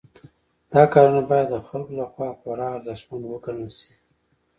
دا کارونه باید د خلکو لخوا خورا ارزښتمن وګڼل شي.